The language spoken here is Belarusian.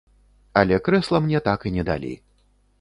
Але крэсла мне так і не далі.